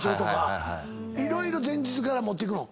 色々前日から持っていくの？